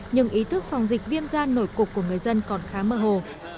nhưng ý thức phòng dịch viêm da nổi cục của người dân còn khá mơ hồ